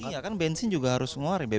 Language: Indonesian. iya kan bensin juga harus ngeluarin bbm